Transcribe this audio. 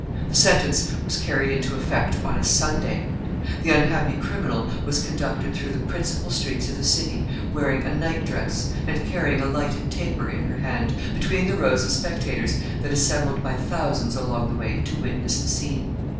The sentence was carried into effect on a Sunday. The unhappy criminal was conducted through the principal streets of the city, wearing a night dress, and carrying a lighted taper in her hand, between rows of spectators that assembled by thousands along the way to witness the scene.